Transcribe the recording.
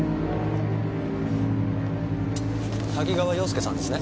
多岐川洋介さんですね？